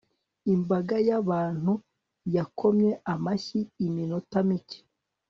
imbaga y'abantu yakomye amashyi iminota mike